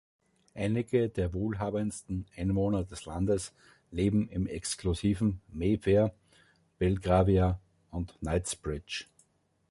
Einige der wohlhabendsten Einwohner des Landes leben im exklusiven Mayfair, Belgravia und Knightsbridge.